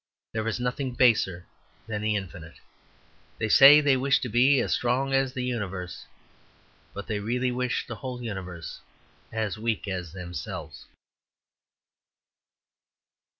There is nothing baser than that infinity. They say they wish to be, as strong as the universe, but they really wish the whole universe as weak as themselves.